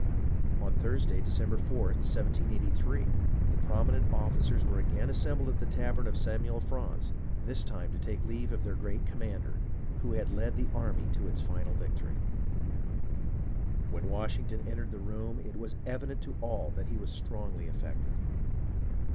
On Thursday, December 4th, 1783, the prominent offi cers were again assembled at the tavern of Samuel Fraunce, this time to take leave of their great commander, who had led the army to its final victory. When Washington entered the room, it was evident to all that he was strongly affected.